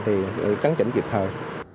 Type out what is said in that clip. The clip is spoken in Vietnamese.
thì cắn chỉnh kịp thời